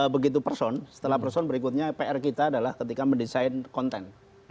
setelah begitu personal setelah personal berikutnya pr kita adalah ketika mendesain konten